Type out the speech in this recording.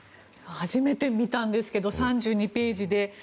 初めて見たんですけど３２ページで。